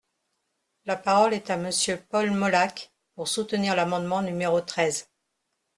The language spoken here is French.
La parole est à Monsieur Paul Molac, pour soutenir l’amendement numéro treize.